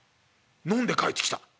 飲んで帰ってきた？